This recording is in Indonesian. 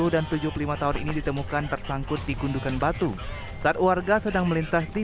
sepuluh dan tujuh puluh lima tahun ini ditemukan tersangkut di gundukan batu saat warga sedang melintas di